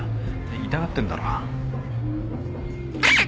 痛がってんだろ。